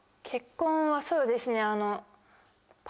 結婚はそうですね。